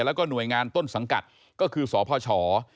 แล้วก็หน่วยงานต้นสังกัดก็คือสพช